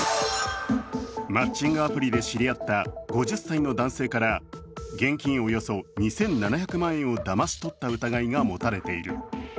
マッチングアプリで知り合った５０歳の男性から現金およそ２７００万円をだまし取った疑いが持たれている。